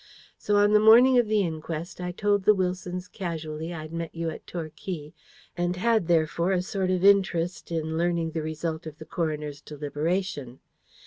So on the morning of the inquest, I told the Wilsons casually I'd met you at Torquay and had therefore a sort of interest in learning the result of the coroner's deliberation.